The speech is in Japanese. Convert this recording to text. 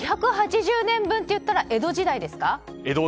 ２８０年分っていったら江戸時代ですか？